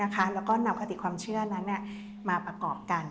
แล้วก็นำคติความเชื่อนั้นมาประกอบกัน